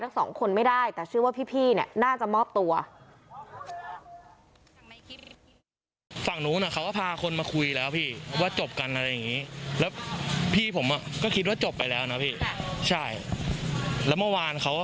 ทั้งสองคนไม่ได้แต่คิดว่าพี่เนี่ยน่าจะมอบตัว